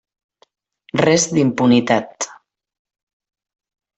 Res d'impunitat.